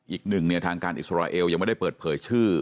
อีกหนึ่งเนี่ยทางการอิสราเอลยังไม่ได้เปิดเผยชื่อ